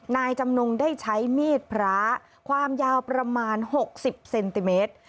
นายจำนงได้ใช้มีดพระความยาวประมาณ๖๐เซนติเมตร